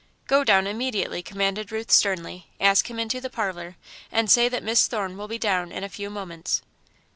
"Go down immediately," commanded Ruth, sternly, "ask him into the parlour, and say that Miss Thorne will be down in a few moments."